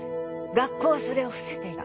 学校はそれを伏せていた。